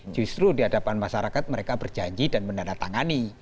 justru di hadapan masyarakat mereka berjanji dan menandatangani